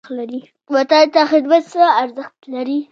وطن ته خدمت څه ارزښت لري؟